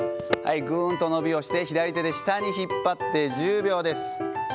ぐーんと伸びをして、左手で下に引っ張って、１０秒です。